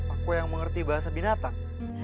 aku yang mengerti bahasa binatang